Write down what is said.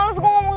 apa sih ini